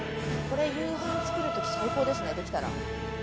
これ夕飯作るとき最高ですねできたら。